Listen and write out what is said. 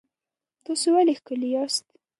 تاسو ولې ښکلي یاست؟